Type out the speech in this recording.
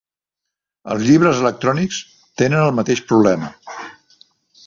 Els llibres electrònics tenen el mateix problema.